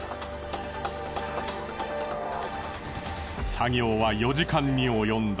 作業は４時間に及んだ。